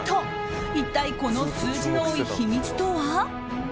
一体、この数字の秘密とは？